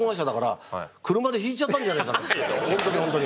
本当に本当に。